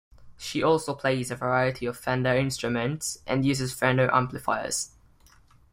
She also plays a variety of Fender instruments, and uses Fender amplifiers.